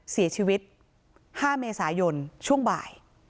เสียชีวิต๕เมษายนช่วงบ่าย